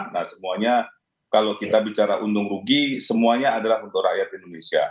nah semuanya kalau kita bicara untung rugi semuanya adalah untuk rakyat indonesia